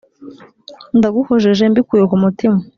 Ndaguhojeje mbikuye k'umutima